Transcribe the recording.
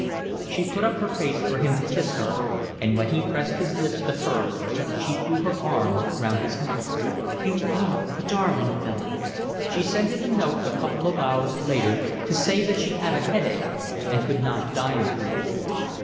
She put up her face for him to kiss her, and when he pressed his lips to hers she threw her arms round his neck. "You are a darling, Philip." She sent him a note a couple of hours later to say that she had a headache and could not dine with him.